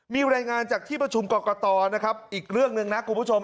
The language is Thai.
มีรายงานจากที่ประชุมกรกตนะครับอีกเรื่องหนึ่งนะคุณผู้ชม